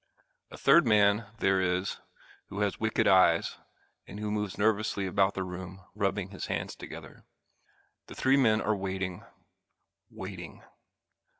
A third man there is who has wicked eyes and who moves nervously about the room rubbing his hands together. The three men are waiting waiting.